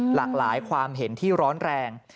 หลากหลายความเห็นที่ร้อนแรง